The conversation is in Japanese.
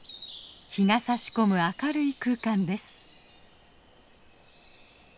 日がさし込む明るい空間です。